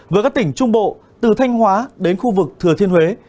với các tỉnh trung bộ từ thanh hóa đến khu vực thừa thiên huế